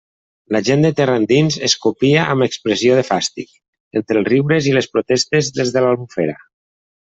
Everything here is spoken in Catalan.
La gent de terra endins escopia amb expressió de fàstic, entre els riures i les protestes dels de l'Albufera.